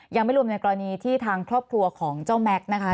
ยังไม่รวมในกรณีที่ทางครอบครัวของเจ้าแม็กซ์นะคะ